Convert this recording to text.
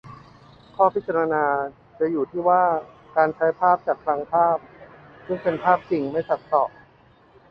ข้อพิจารณาจะอยู่ที่ว่า การใช้ภาพจากคลังภาพ ซึ่งเป็นภาพจริง-ไม่ตัดต่อ